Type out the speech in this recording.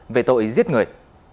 về tội giết người